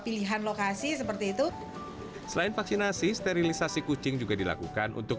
pilihan lokasi seperti itu selain vaksinasi sterilisasi kucing juga dilakukan untuk